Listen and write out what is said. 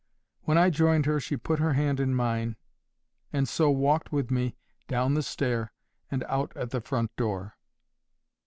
When I joined her she put her hand in mine, and so walked with me down the stair and out at the front door.